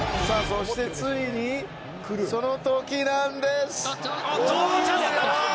そしてついにその時なんです。